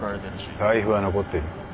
財布は残ってる。